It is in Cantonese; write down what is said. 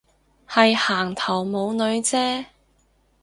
係行頭冇女啫